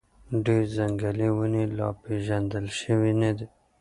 ډېر ځنګلي ونې لا پېژندل شوي نه دي.